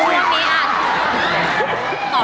มีอัน